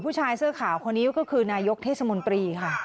ผู้ชายเสื้อขาวคนนี้ก็คือนายกเทศมนตรีค่ะ